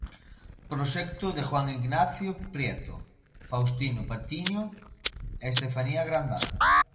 Proxecto de Juan Ignacio Prieto, Faustino Patiño e Estefanía Grandal.